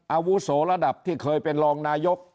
อาวุโสระดับที่เคยเป็นรองนายก